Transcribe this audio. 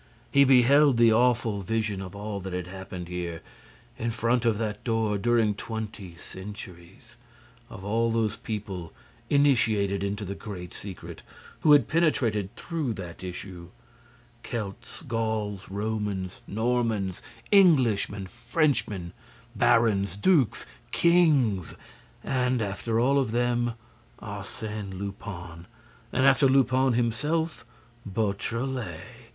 He beheld the awful vision of all that had happened there, in front of that door, during twenty centuries; of all those people, initiated into the great secret, who had penetrated through that issue: Celts, Gauls, Romans, Normans, Englishmen, Frenchmen, barons, dukes, kings—and, after all of them, Arsène Lupin—and, after Lupin, himself, Beautrelet.